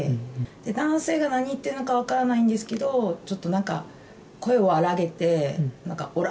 男性が何言ってるのか分からないんですけど、ちょっとなんか、声を荒げて、なんかおら！